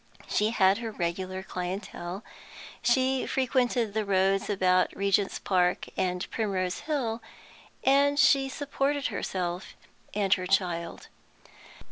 She had her regular clientele; she frequented the roads about Regent's Park and Primrose Hill; and she supported herself and her child.